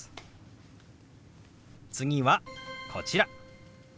次はこちら。